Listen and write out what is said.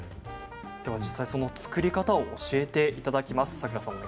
作り方を教えていただきます。